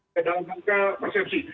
dalam jangka persepsi